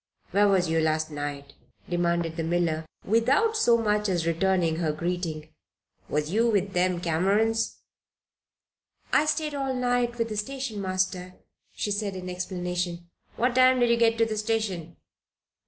"Where was you last night?" demanded the miller, without so much as returning her greeting. "Was you with them Camerons?" "I stayed all night with the station master," she said, in explanation. "What time did you get to the station?"